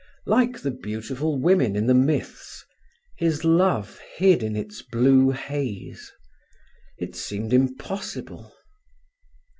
Like the beautiful women in the myths, his love hid in its blue haze. It seemed impossible.